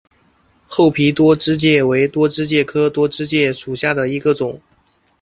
厚皮多枝介为多枝介科多枝介属下的一个种。